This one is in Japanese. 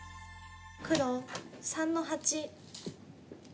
黒３の八。